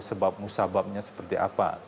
sebabnya seperti apa